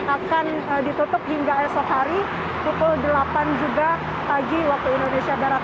akan ditutup hingga esok hari pukul delapan juga pagi waktu indonesia barat